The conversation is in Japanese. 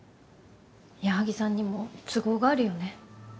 矢作さんにも都合があるよね。